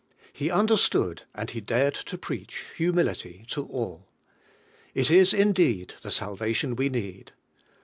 He understood, and he dared to preach, humility to all. It is indeed the salvation we need.